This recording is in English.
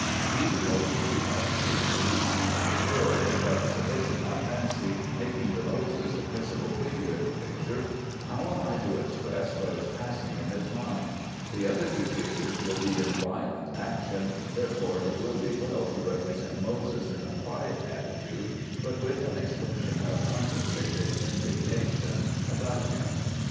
Either mode of treatment seems to me equally good, but supposing I fancy making the Moses the principal figure in the picture, how am I to express what is passing in his mind? The other two figures will be in violent action, therefore it will be well to represent Moses in a quiet attitude, but with an expression of concentrated indignation about him.